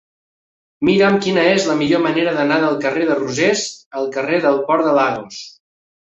Mira'm quina és la millor manera d'anar del carrer de Rosés al carrer del Port de Lagos.